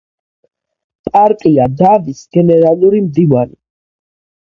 პარტია „დავის“ გენერალური მდივანი.